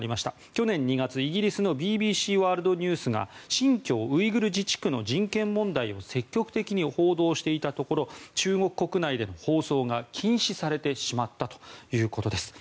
去年２月、イギリスのＢＢＣワールドニュースが新疆ウイグル自治区の人権問題を積極的に報道していたところ中国国内での放送が禁止されてしまったということです。